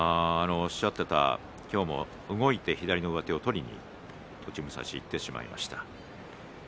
おっしゃるように動いて左の上手を取りに栃武蔵がいってしまいました。